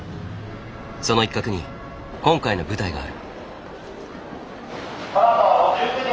その一角に今回の舞台がある。